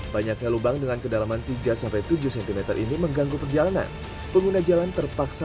banyaknya lubang dengan kedalaman tiga tujuh cm ini mengganggu perjalanan pengguna jalan terpaksa